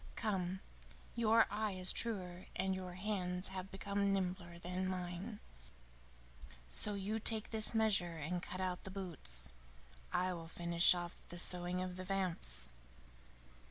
Come, your eye is truer and your hands have become nimbler than mine, so you take this measure and cut out the boots. I will finish off the sewing of the vamps."